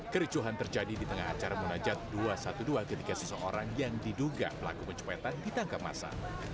kericuhan terjadi di tengah acara munajat dua ratus dua belas ketika seseorang yang diduga pelaku pencopetan ditangkap masa